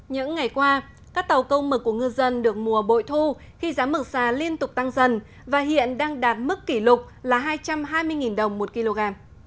những ngày qua các tàu công mực của ngư dân được mùa bội thu khi giá mực xà liên tục tăng dần và hiện đang đạt mức kỷ lục là hai trăm hai mươi đồng một kg